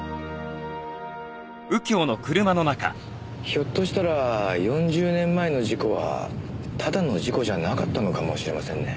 ひょっとしたら４０年前の事故はただの事故じゃなかったのかもしれませんね。